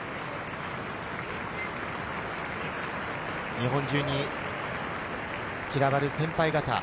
日本中に散らばる先輩方。